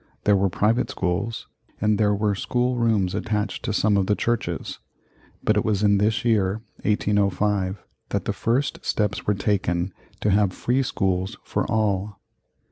There were private schools and there were school rooms attached to some of the churches, but it was in this year, 1805, that the first steps were taken to have free schools for all.